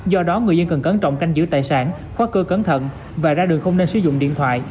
do đó người dân cần cẩn trọng canh giữ tài sản khóa cửa cẩn thận và ra đường không nên sử dụng điện thoại